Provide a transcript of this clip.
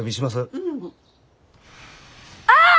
うん。あっ！